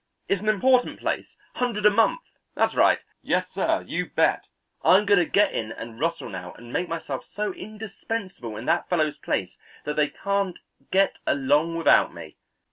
It's an important place, hundred a month; that's right. Yes, sir; you bet, I'm going to get in and rustle now and make myself so indispensable in that fellow's place that they can't get along without me.